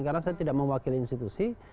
karena saya tidak mewakili institusi